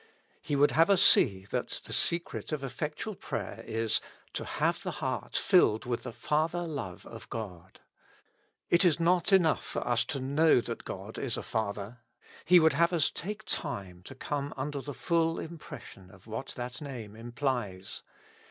He would have us see that the secret of effectual prayer is : to have the heart filled with the Father love 50 With Christ in the School of Prayer. of God. It is not enough for us to know that God is a Father : He would have us take time to come under the full impression of what that name implies.